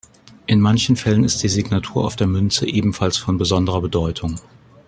In manchen Fällen ist die Signatur auf der Münze ebenfalls von besonderer Bedeutung.